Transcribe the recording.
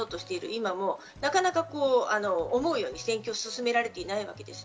今もなかなか思うように戦況を進められていないわけです。